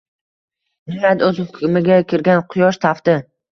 Nihoyat, o’z hukmiga kirgan quyosh tafti.